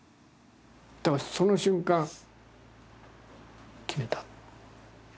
だからその瞬間決めた。